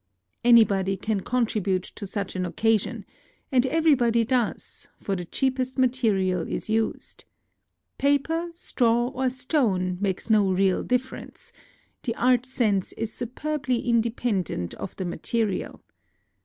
Anybody can con tribute to such an occasion ; and everybody does, for the cheapest material is used. Paper, straw, or stone makes no real differ ence: the art sense is superbly independent NOTES OF A TRIP TO KYOTO 63 of the material.